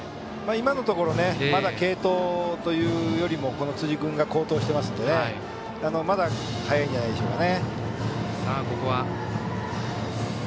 今のところはまだ継投というよりも辻君が好投していますのでまだ、早いんじゃないでしょうか。